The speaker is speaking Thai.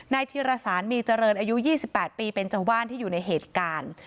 ในทีระสานมีเจริญอายุยี่สิบแปดปีเป็นชาวบ้านที่อยู่ในเหตุการณ์